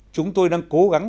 chúng tôi đang cố gắng